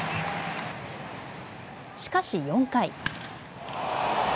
しかし４回。